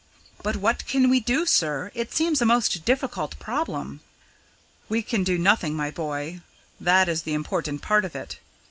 "But what can we do, sir it seems a most difficult problem." "We can do nothing, my boy that is the important part of it.